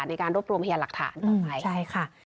ในการรวบรวมเพียงหลักฐานต่อไป